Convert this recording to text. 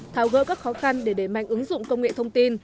thao gỡ các khó khăn để đề mạnh ứng dụng công nghệ thông tin